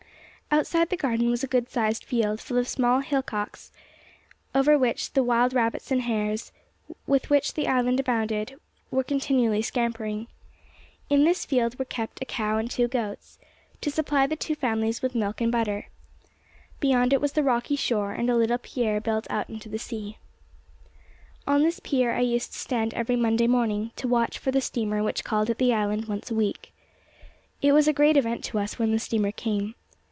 Outside the garden was a good sized field full of small hillocks, over which the wild rabbits and hares, with which the island abounded, were continually scampering. In this field were kept a cow and two goats, to supply the two families with milk and butter. Beyond it was the rocky shore, and a little pier built out into the sea. [Illustration: THE LANDING STAGE] On this pier I used to stand every Monday morning, to watch for the steamer which called at the island once a week. It was a great event to us when the steamer came.